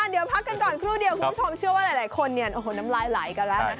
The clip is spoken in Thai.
เดี๋ยวพักกันก่อนครู่เดียวคุณผู้ชมเชื่อว่าหลายคนน้ำลายไหลกันแล้วนะ